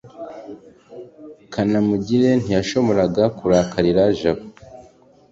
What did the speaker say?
kanamugire ntiyashoboraga kurakarira jabo